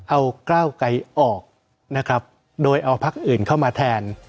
เอาก้าวไกรออกนะครับโดยเอาพักอื่นเข้ามาแทน